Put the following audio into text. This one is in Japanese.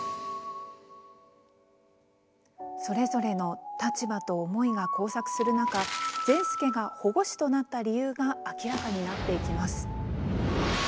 それぞれの立場と思いが交錯する中善輔が保護司となった理由が明らかになっていきます。